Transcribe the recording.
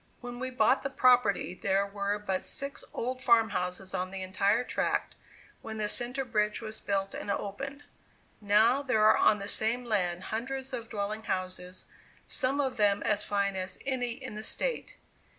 When we bought the property there were but six old farm houses on the entire tract, when the centre bridge was built and opened. Now there are on the same land hundreds of dwelling houses, some of them as fine as any in the State.